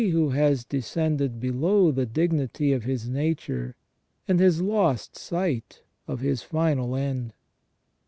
who has descended below the dignity of his nature, and has lost sight of his final end.